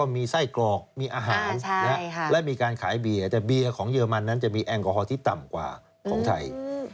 มีการขายเบียร์แต่เบียร์ของเยอรมันนั้นจะมีแองกอฮอล์ที่ต่ำกว่าของไทย